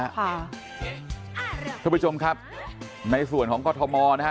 คุณผู้ชมครับในส่วนของกรทมนะฮะ